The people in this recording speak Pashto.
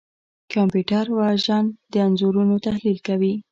کمپیوټر وژن د انځورونو تحلیل کوي.